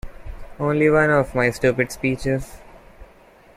Only one of my stupid speeches.